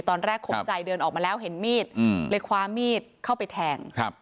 ตอนแรกขมใจเดินออกมาแล้วเห็นมีดเลยคว้ามีดเข้าไปแทง